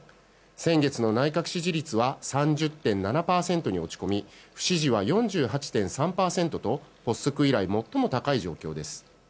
先月の内閣支持率は３０．７％に落ち込み不支持は４８．３％と発足以来最も高い状況です。